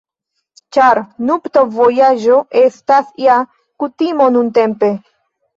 Ĉar nuptovojaĝo estas ja kutimo nuntempe.